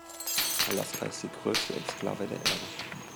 Alaska ist die größte Exklave der Erde.